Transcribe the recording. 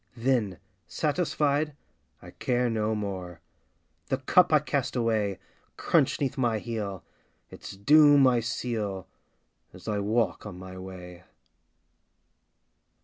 Then, satisfied, I care no more. The cup, I cast away, Crunch 'neath my heel. Its doom I seal, As I walk on my way.